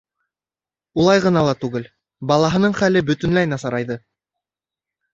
Улай ғына ла түгел, балаһының хәле бөтөнләй насарайҙы.